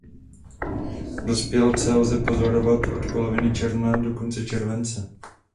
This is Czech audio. Dospělce lze pozorovat od poloviny června do konce července.